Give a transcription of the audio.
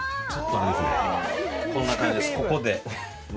こんな感じです。